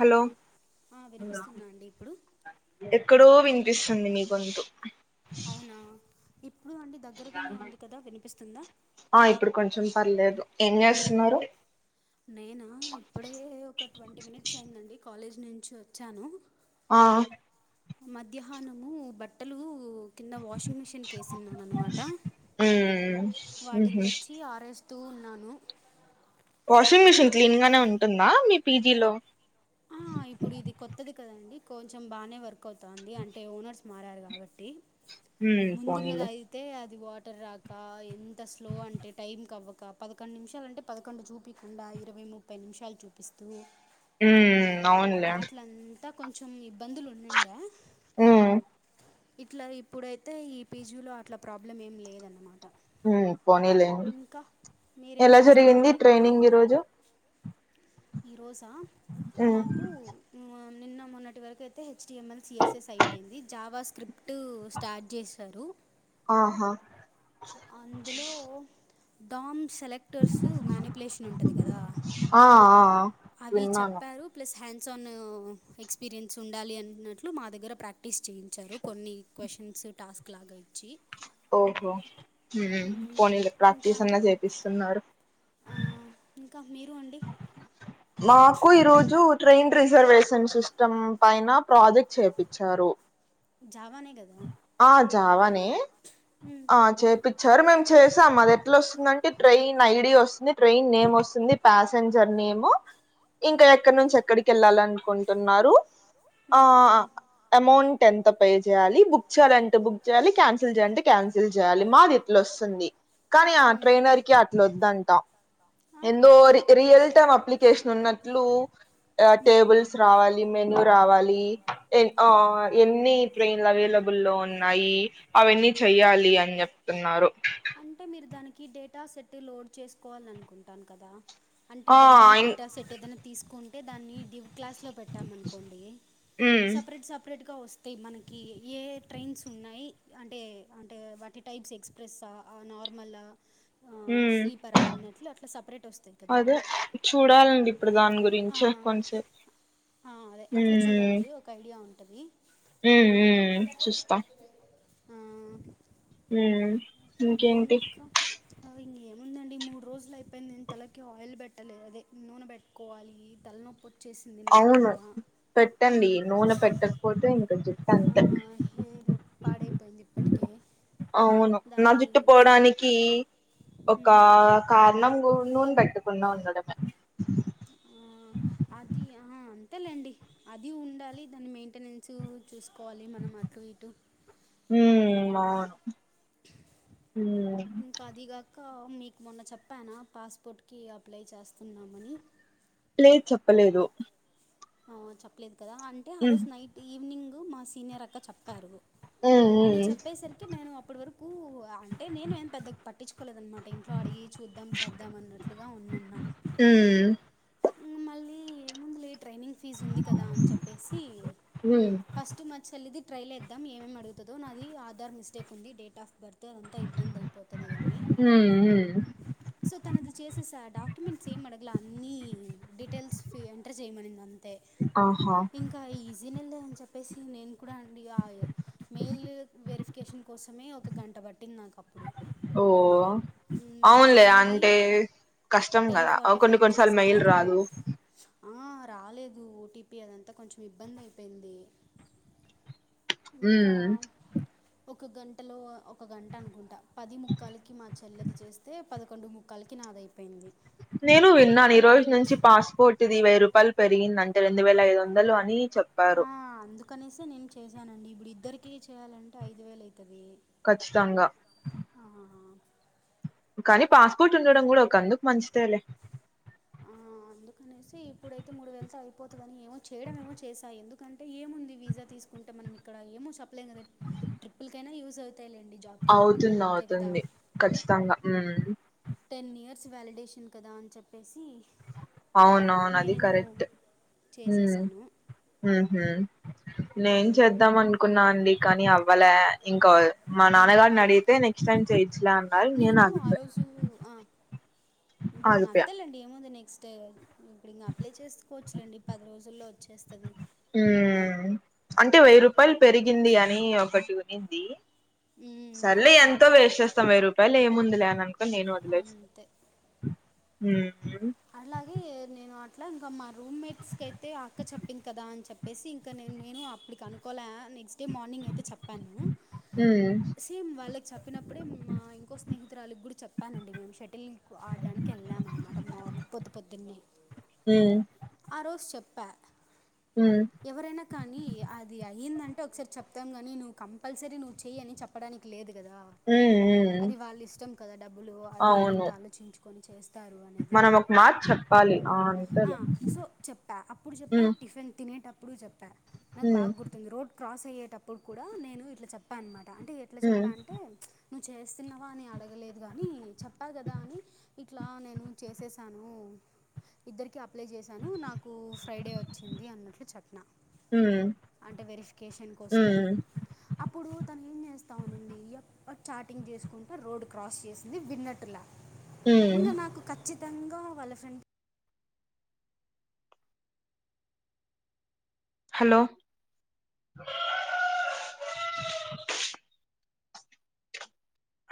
hello ఆ వినిపిస్తుందా అండి ఇప్పుడు ఎక్కడో వినిపిస్తుంది మీ గొంతు అవునా ఇప్పుడు అండి దగ్గరగానే ఉంది కదా వినిపిస్తుందా ఆ ఇప్పుడు కొంచెం పర్లేదు ఏంజేస్తున్నారు నేనా ఇప్పుడే ఒక టోంటీ మినిట్స్ అయిందండి కాలేజీ నుంచి ఓచ్చాను ఆ మధ్యాహ్నము బట్టలూ కింద వాషింగ్ మిషిన్కేసిన్నాన్నమాట వాటిని తెచ్చి ఆరేసి తూ ఉన్నాను వాషింగ్ మిషన్ క్లీన్గానే ఉంటుందా మీ పీజీలో ఆ ఇప్పుడు ఇది కొత్తది కదండి కొంచెం బాగానే వర్క్ అవుతోంది అంటే ఓనర్స్ మారారు కాబట్టి ముందున్నధి అయి తే అది వాటర్ రాక ఎంత స్లో అంటే టైంకి అవ్వక పదకొండు నిమ్షాలంటే పదకొండు చూపికుండా ఇరవై ముప్పై నిమ్షాలు చూపిస్తు ఉం అట్లంతా కొంచెం ఇబ్బందులుండుండా ఉం ఇట్లా ఇప్పుడైతే ఈ పీజీలో అట్ల ప్రాబ్లం ఏం లేదన్నమాట ఉం పోనీలేండి ఎలా జరిగింది ట్రైనింగ్ ఈరోజు ఈరోజా మాకు నిన్న మొన్నటి వరకు అయితే హెచ్డిఎంఎల్ సిఎస్ఎస్ అయిపోయింది జావా స్క్రిప్ట్ స్టార్ట్ చేశారు ఆహా అందులో డోమ్ సెలెక్ట్ టర్స్ మ్యానిపులేషన్ ఉంటది కాద అవి చెప్పారు ప్లస్ హ్యాండ్స్ ఆన్ ఎక్స్పీరియన్స్ ఉండాలి అన్నట్లు మా దగ్గర ప్రా క్టీస్ చేయించారు కొన్ని క్వశ్చన్స్ టాస్క్ లాగా ఇచ్చి ఓహో పోనీలే ప్రాక్టీస్ అన్నా చేపిస్తున్నారు ఇంకా మీరు అండి మాకు ఈ రోజు ట్రైన్ రిజర్వేషన్ సిస్టమ్ పైన ప్రాజెక్ట్ చేపించారు జావానే గ ఆ జావానే ఆ చె ప్పించారు మేము చేసాం మాది ఎట్లా ఓస్తుందంటే ట్రైన్ ఐడి వస్తుంది ట్రైన్ నేమ్ ఓస్తుంది ప్యాసెంజర్ నేము ఇంకా ఎక్కడ నుంచి ఎక్కడికి వెళ్ళాలనుకుంటున్నారు ఆ అమౌంట్ ఎంత పే చేయాలి బుక్ చేయాలంటే బుక్ చేయాలి క్యాన్సిల్ చేయాలంటే క్యాన్సిల్ చేయాలి మాది ఇట్లు ఓస్తుంది కానీ ఆ ట్రైనర్ కి అట్ల ఓద్దంటా ఎందో రీ రియల్ టైమ్ అప్లికేషన్ ఉన్నట్లు టేబుల్స్ రావాలి మెనూ రావాలి ఎ ఆ ఎన్ని ట్రైన్లు అవైలబుల్ లో ఉన్నాయి అవన్నీ చెయాలి అని చెప్తున్నారు అంటే మీరు దానికి డేటా సెట్ లోడ్ చేసుకోవాల అనుకుంటాను కదా అంటే డమ్మి డేటా సెట్ ఏదైనా తీసుకుంటే దాన్ని డివ్ క్లాస్లో పెట్ పెట్టం అనుకోండి సపరేట్ సపరేట్ గా వస్ అతే మనకి ఏ ట్రైన్స్ ఉన్నాయి అంటే అంటే వాటి టైప్స్ ఎక్స్ప్రెస్స ఆ నార్మలా హ్మ్ అదే చూడాలండి ఇప్పుడు దాని గురించే కొంచం స ఆ అట్లా చూడండి ఒక ఐడియా ఉంటది హ్మ్ మ్మ్ చూస్తా హ్మ్ హ్మ్ ఇంకా అవి ఇంక ఏముందండి మూడు రోజులు అయిపోయి నేను తలకి ఆయిల్ పెట్టలేదు అదే నూనె పెట్ కోవాలి తలనొప్పి అవును పెట్టండి నూనె పెట్టకపోతే ఇంక జుట్ ఆ హేయిరు పాడైపోయింది ఇప్పటికే అవును నా జుట్టు పోవడానికి ఒక కారణం నూనె ఏం పెట్టకుండా ఉండడమే ఆ అది ఆహ అంతేలేండి అది ఉండాలి దాని మెయింటెనెన్స్ చూసుకోవాలి మనం అటు ఇటు హ్మ్ అవునుహ్మ్ ఇంకా అదిగాక మీకు మొన్న చెప్పానా పాస్పోర్ట్కి అప్లై చేస్తున్నామని లేదు చెప్పలేదు ఆ చెప్పలేదు కదా అంటే ఆ రోజు నైట్ ఈవినింగ్ మా సీనియర్ అక్క చెప్పారు ఇంక చెప్పేసరికి నేను అప్పటి వరకు అంటే నేను ఏం పెద్దగా పట్టించుకోలేదన్నమాట ఇంక అట్లా అడిగి చూద్దాం చేద్దామ అన్నట్లుగా ఉన్నన్న హ్మ్ హ్మ్ మళ్ళీ ఏముందులే ట్రైనింగ్ ఫీజు ఉంది కదా అని చెప్పేసి ఫస్ట్ మా చెల్లిది ట్రైల్ వేద్దాం ఏమేమి అడుగుతుందో నాది ఆధార్ మిస్టేక్ ఉంది డేట్ ఆఫ్ బర్త్ అ అంతా ఇబ్బంది అయిపోతది కానీ సో తనది చేసేసా డాక్యుమెంట్స్ ఏమి అడగలే అన్నీ డీటెయిల్స్ ఫ ఎంటర్ చేయమని అంతే ఇంకా ఈజీనే లే అని చెప్పేసి నేను కూడా అండి మెయిల్ వెరిఫికేషన్ కోసమే ఒక గంట పట్టింది నాకు అప్పు డు ఉమ్ మా చెల్లిది టెన్ ఫార్టీ ఫైవ్ కి చేస్తే ఆ రాలేదు ఓటీపీ అదంతా కొంచెం ఇబ్బంది అయిపోయింది ఇంకా ఒక గంటలో ఒక గంట అనుకుంటా పది ముక్కాలకి మా చెల్లెది చేస్తే పదకొండు ముక్కాలకి నాది అయిపోయింది నేను విన్నాను ఈరోజు నుంచి పాస్పోర్ట్ ఇది వెయ్యి రూపాయిలు పెరిగింది అంటే రెండు వేల ఐదు వందలు అని చెప్ ఆ అందుకనేసి నేను చేసానండి ఇప్పుడు ఇద్దరికి చేయ్యాలంటే ఐదు వేలు అయితది కచ్చితంగా ఆహా కానీ పాస్పోర్ట్ ఉండడం కూడా ఒక అందుకు మంచిదేలే ఆ అందుకనేసి ఇప్పుడైతే మూడు వేలతో అయిపోతుందని ఏమో చేయడం ఏమో చేశా ఎందుకంటే ఏముంది వీజా తీసుకు ఉంటే మనం ఇక్కడ ఏమో చేపలేం కదా ట్రిప్లేకైన యూస్ అవుతయిలెండి జాబ్ కి కాకపోయినా అంతే కదా కచ్చితంగా ఉమ్ టెన్ ఇయర్స్ వ్యాలిడేషన్ కదా అని చెప్పేసి అవునవును అది కరెక్టే ఉమ్ ఉహుమ్ నేను చేద్దాం అనుకున్నా అండి కానీ అవ్వలే ఇంక మా నాన్నగారు ని అడియతే నెక్స్ట్ టైం చేయచ్చేలే అన్నారు నేను అగిపో ఇప్పుడు ఇంగ అంతే లేండి ఏముంది నెక్స్ట్ ఇప్పుడు ఇంగ అప్లై చేసుకోవచ్చులేండి పది రోజుల్లో వచ్చేస్తాది ఉమ్ అంటే వెయ్యి రూపాయలు పెరిగింది అని ఒకటి వునింది సరేలే ఎంతో వేస్ట్ చేస్తాం వెయ్యి రూపాయలు ఏముందిలే అని అనుకోని నేను వదిలేస్ ఉహుమ్ అలాగే నేను అట్లా ఇంక మా రూమ్మేట్స్ కి అయితే అక్క చెప్పింది కదా అని చెప్ చెప్పేసి ఇంక నేను నేనే అప్పుడు కి అనుకోలే నెక్ట్ డే మార్నింగ్ అయితే చెప్పాను స్ వాళ్ళకి చెప్పినప్పుడే మా ఇంకో స్నేహితురాలికి కూడా చెప్పానండి మేము షటిల్ ఆడడానికి కెళ్ళాం అన్నమాట మార్ని పొద్దు పొద్దున్నే ఉమ్ ఆరోజు చెప్పా ఉమ్ ఎవరైనా కానీ అది అయ్యిందంటే ఒకసారి చెప్తాం కానీ నువ్వు కంపల్సరీ నువ్వు చెయ్య అని చెప్ ప్పడానికి లేదు కదా అది వాళ్ళు ఇష్టం కదా డబ్బులు అది అంత ఆలోచించుకొని చేస్తారు అనేది మాకు చెప్పాలి అ సో చెప్పా అప్పుడు చెప్పా టిఫిన్ తినేటప్పు అప్పుడు చెప్పా నాకు బాగా గుర్తుంది రోడ్ క్రాస్ అయ్యేటప్పుడు కూడా నేను ఇట్లా చెప్పాను అన్నమాట అంటే ఎట్లా చెప్పా అంటే నువ్వు చేస్తున్నావా అని అడగలేదు గానీ చెప్పా కదా అని ఇట్లా నేను చేసే తాను ఇద్దరికి అప్లై చేశాను నాకు ఫ్రైడే వచ్చింది అన్నట్లు చెప్పిన అంటే వెరిఫికేషన్ కోసం అప్పుడు తనే ఏం చేస్తా ఉన్నిది ఎప్ వడ్ చాటింగ్ జేసుకుంట రోడ్ క్రాస్ జేసింది విన్నట్టు ల ఇంగ నాకు కచ్చితంగా వాళ్ల ఫ్రెండ్ హలో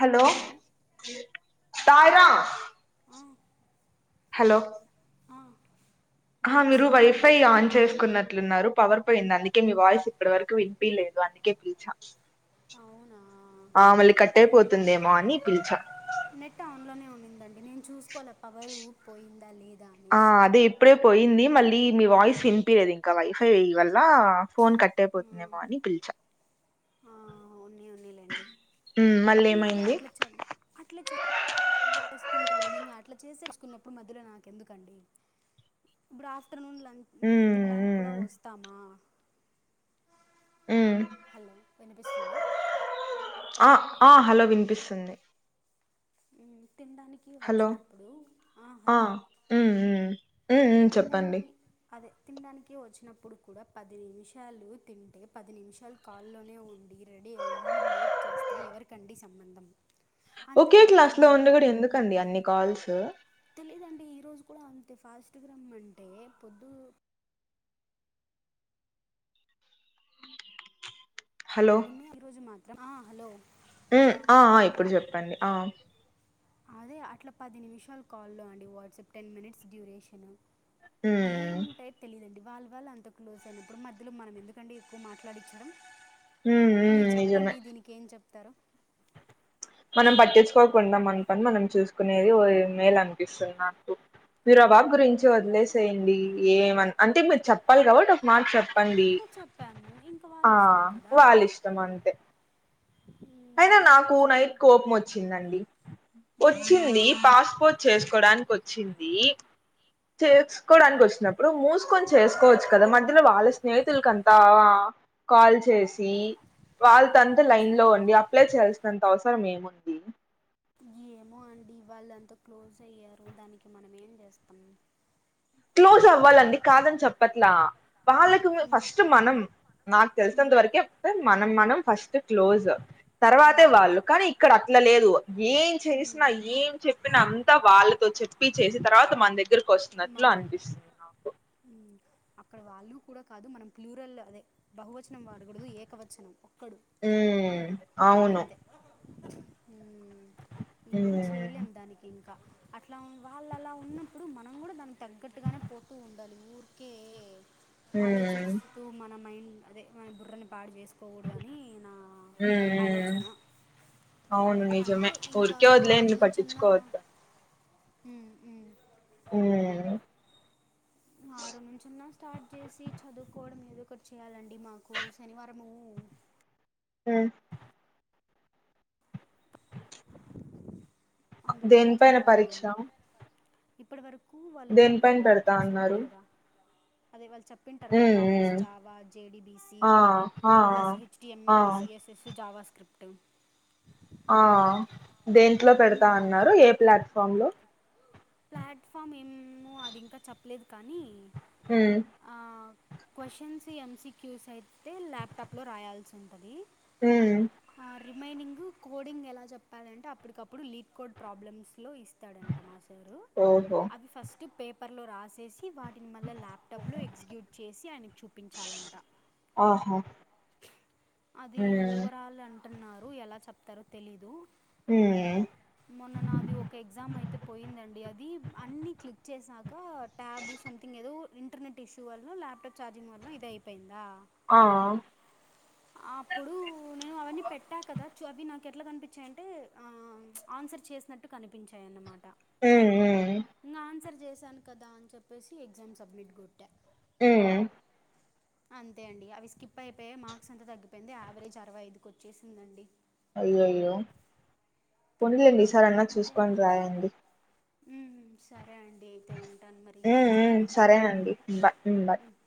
హలో తాయిరామ్ ఆ హలో ఆ ఆహా మీరు వైఫ్ ఆన్ చేసుకున్నట్లున్నారు పవర్ పోయింది అందుకే మీ వాయిస్ ఇప్పటి వరకు విన్పిలేదు అందుకే పిలిచ ఆ మళ్లీ కట్టయిపోతుందేమో అని పిలిచా నెట్ ఆన్లోనే ఉన్నిందండి నేను చూసుకోవాల పవర్ పోయిందా లేదా అనేసి అప్పుడే పోయింది మళ్లీ మీ వాయిస్ వినిపియదు ఇంకా వైఫ్ వల్ల ఫోన్ కట్టయిపోతుందేమో అని పిలిచా ఆ ఉన్నాయి ఉన్నాయి లేండి ఇంగా అదే అట్లే చదువు అట్లే చే చేసుకుంటోది న్నిగా అట్లా చేసేచ్చుకున్నప్పుడు మధ్యలో నాకేందుకండి ఇప్పుడు ఆఫ్టర్నూన్ లంచ్ మేము తినడానికి కూడా వస్తామా హలో వినిపిస్తుందా ఆ ఆ హలో వినిపిస్తుంది ఉమ్మ్ తినడానికి వచ్చినప్పుడు ఆ హలో ఉమ్మ్ ఉమ్ తిన్ డానికి అదే తినడానికి వచ్చినప్పుడు కూడా పది నిమిషాలు తింటే పది నిమిషాలు కు కాల్లోనే ఉండి రెడీ అయ్యి లేట్ చేస్తే ఎవరికండి సంబంధం ఓకే క్లాస్ లో ఉండి గూడ ఎందుకండి అన్ని కాల్స్ తెలీదండి ఈరోజు కూడా అంతే ఫస్ట్ గా రమ్మంటే పొద్దు పొద్దున్నే ఈరోజు మాత్రం ఆ హలో ఉమ్మ్ ఆ ఆ ఇప్పుడు జేప్పండి ఆ ఆదే అట్లా పది నిమిషాలు కాల్లో అండి వాట్సాప్ టెన్ మినిట్స్ డ్యూరేషను ఏముంటాయి తెలిదండి వాళ్ల వాళ్ల అంత క్లోజ్ అయినప్పుడు మధ్యలో మనం ఎందుకంటే ఎక్కువ మాట్లాడించడం మీరు చెప్పండి దీనికే ఏం చెప్తారో మనం పట్టించుకోకుండా మన్ పన్ మనం చూసుకునేది ఓ మేలు అనిపిస్తుంది నాకు మీరు ఆ బాబు గురించి వదిలేసేయండి ఏమన్నా అంటే మీరు చెప్పాలి గాబట్టి మాక్ చెప్పండి ఆ వాళ్ల ఇష్టం అంతే అయినా నాకు నైట్ కోపం వచ్చిందండి వచ్చింది పాస్పోర్ట్ చేసుకోవడానికి ఓచ్చింది చేసుకోవడానికి ఓచ్చినప్పుడు ఇప్పుడు మూసుకొని చేసుకోవచ్చు కదా మధ్యలో వాళ్ల స్నేహితులకంతా కాల్ చేసి వాళ్ల తో తంత లైన్ లో ఉండి అప్లై చేయాల్సినంత అవసరమేముంది ఏమో అండి వాళ్ళంతా క్లోజ్ అయ్యారు దానికి మనం ఏం చేస్తాం క్లోజ్ అవ్వాలండి కాదని చెప్పట్లా వాళ్లకు మీ ఫస్ట్ మనం నాకు తెలిసినంత వర్క్తే మనం మనం ఫస్ట్ క్లోజ్ తర్వాతే వాళ్లు కానీ ఇక్కడ అట్లా లేదు ఏం చేసిన ఏం చెప్ప అంతా వాళ్ళతో చెప్పి చేసిన తర్వాత మన దగ్గర మన ఆ అక్కడ వాళ్ళు కూడా కాదు మనం ప్లూరల్ అదే బహువచనం వాడకూడదు ఏకవచనం ఒక్కడు ఉ అవును హ్మ్మ్ ఏం చేయలేం దానికి ఇంక అట్ల వాళ్ళు అలా ఉన్న ప్పుడు మనం కూడా దానికి తగ్గట్టుగానే పోతూ ఉండాలి ఊరికే ఆలోచించ్ ప్పుడు మన మైండ్ అదే మన బుర్రని పాడు చేసు కొకూడదని నా ఆలోచన అంతే ఇంకా ఆరు నుంచన్న ఆ ఆ ఉ ఆరు నుంచన్న స్టార్ట్ చేసి చదువుకోవడం ఏదో ఒకటి చేయాలండి మాకు శనివారంము అ దేనిపైన పరీక్ష ఇప్పటి వరకు వాళ్ళు చెప్పిన టాపిక్స్ ఉంటాయి కదా అదే వాళ్ళు చెప్ ప్పింటారు కదా topics Java JDBC plus HTML CSS JavaScript ఆ దేంట్లో పెడతాన్నారు ఏ ప్లాట్ఫామ్ లో ప్లాట్ఫామ్ ఏమో అది ఇంకా చెప్పలేదు కానీ హ్మ్మ్ ఆ క్వశ్చన్స్ ఎంసీక్యూస్ అయితే ల్యాప్టాప్లో రాయాల్సి ఉంటది ఊ ఆ రెమైనింగు కోడింగ్ ఎలా చెప్పాడంటే అప్పటికప్పుడు లీట్ కోడ్ ప్రాబ్లమ్స్ లో ఇస్తాడంట మాస్ట స్టరు ఓహో అవి ఫస్ట్ పేపర్ లో రాసేసి వా దీని మళ్ళ ల్యాప్టాప్లో ఎగ్జిక్యూట్ చేసి ఆయనకు చూపించాలంట ఆహా అది ఓవరాల్ అంటన్నారు ఎలా చెప్తారో తెలీదు హ్మ్మ మొన్న నాది ఒక ఎగ్జామ్ అయితే పోయిందండి అది అన్ని క్లిక్ చేసాక ట్యాబ్ సంథింగ్ ఏదో ఇంటర్నెట్ పొ ఇష్యూ వల్ల ల్యాప్టాప్ ఛార్జింగ్ వల్ల ఇదైపోయిందా ఆ అప్పుడు నేను అవన్నీ పెట్టా కదా చ అవి నాకు ఎట్లా అనిపించాయంటే ఆ ఆన్సర్ చేసినట్టు కనిపించాయన్నమాట ఊ ఇంకా ఆన్సర్ చేశాను కదా అని చెప్పేసి ఎగ్జామ్ సబ్మిట్ కొట్టా హ్మ్ అంతే అండి అవి స్కిప్ అయిపోయాయి మార్క్స్ అంతా తగ్గిపోయింది యావరేజ్ అరవై ఐదుకి వచ్చేసిందండి అయ్యయ్యో, పొనీలేండి ఈసారన్న చూసుకొని రాయండి హ్మ్ సరే అండి అయితే ఉంటాను మరి చదువుకుంటాను సరే హమ్